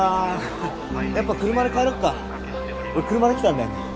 やっぱ車で帰ろうか俺車で来たんだよね